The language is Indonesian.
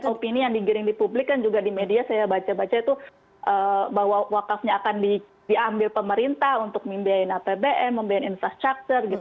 opini yang digiring di publik kan juga di media saya baca baca itu bahwa wakafnya akan diambil pemerintah untuk membiayain apbn membiayain infrastruktur gitu